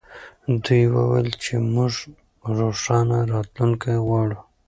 دوی وویل چې موږ روښانه راتلونکې غواړو.